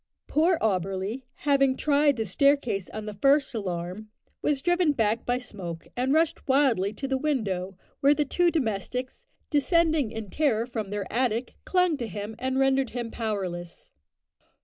Poor Auberly, having tried the staircase on the first alarm, was driven back by smoke, and rushed wildly to the window, where the two domestics, descending in terror from their attic, clung to him and rendered him powerless.